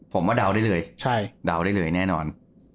ผมว่าเดาได้เลยเดาได้เลยแน่นอน